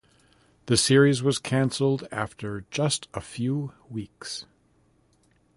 The series was cancelled after just a few weeks.